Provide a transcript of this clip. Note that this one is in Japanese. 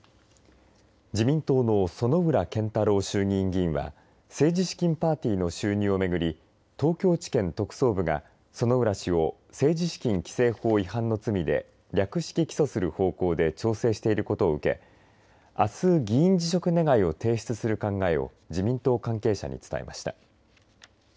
自民党の薗浦健太郎衆議院議員は政治資金パーティーの収入を巡り東京地検特捜部が薗浦氏を政治資金規正法違反の罪で略式起訴する方向で調整していることを受けあす議員辞職願を提出する考えを自民党関係者に伝えました。